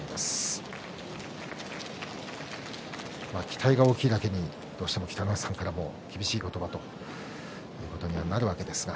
期待が大きいだけにどうしても北の富士さんからも厳しい言葉ということになるわけですが。